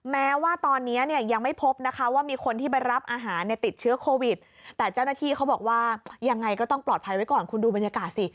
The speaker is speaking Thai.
แม้ว่าตอนนี้เนี่ยยังไม่พบนะคะว่ามีคนที่ไปรับอาหารเนี่ยติดเชื้อโควิดแต่เจ้าหน้าที่เขาบอกว่ายังไงก็ต้องปลอดภัยไว้ก่อนคุณดูบรรยากาศสิ